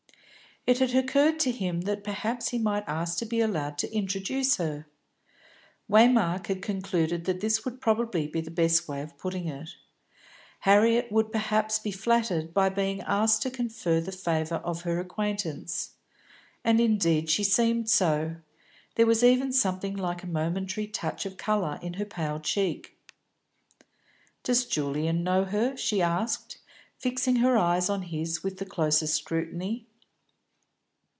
It had occurred to him that perhaps he might ask to be allowed to introduce her. Waymark had concluded that this would probably be the best way of putting it; Harriet would perhaps be flattered by being asked to confer the favour of her acquaintance. And indeed she seemed so; there was even something like a momentary touch of colour in her pale cheek. "Does Julian know her?" she asked, fixing her eyes on his with the closest scrutiny.